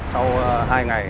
sau hai ngày